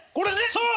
そう！